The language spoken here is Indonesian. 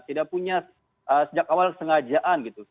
tidak punya sejak awal sengajaan gitu